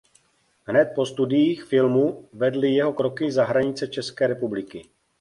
Hned po studiích filmu vedly jeho kroky za hranice České republiky.